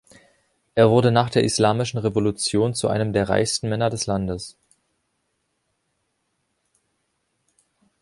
Er wurde nach der Islamischen Revolution zu einem der reichsten Männer des Landes.